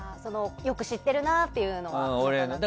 よく知ってるなっていうのはなかなか。